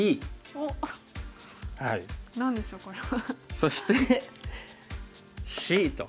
そしてＣと。